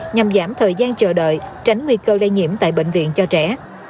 nhằm giảm thời gian chờ đợi tránh nguy cơ lây nhiễm tại bệnh viện cho trẻ